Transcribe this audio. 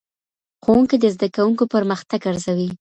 ښوونکی د زدهکوونکو پرمختګ ارزوي.